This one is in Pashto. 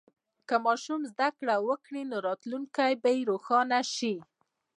که ماشوم زده کړه وکړي، نو راتلونکی به روښانه شي.